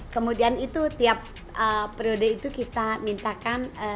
kemudian itu tiap periode itu kita mintakan